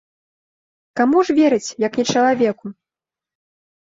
Каму ж верыць, як не чалавеку?